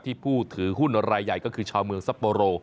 ผู้ถือหุ้นรายใหญ่ก็คือชาวเมืองซัปโปโร